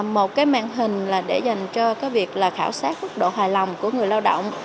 một cái màn hình là để dành cho việc khảo sát quốc độ hài lòng của người lao động